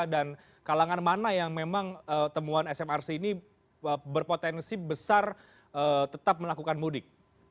dan kalangan mana yang memang temuan smrc ini berpotensi besar tetap melakukan mudik